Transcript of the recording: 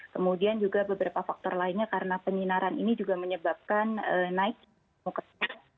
kemudian juga beberapa faktor lainnya karena penginaran ini juga menyebabkan naik muketan